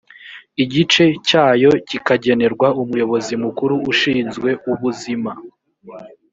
igice cyayo kikagenerwa umuyobozi mukuru ushinzwe ubuzima